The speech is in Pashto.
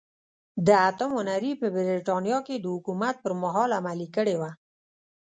د اتم هنري په برېټانیا کې د حکومت پرمهال عملي کړې وه.